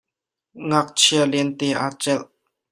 Ngakchia lente aa celh.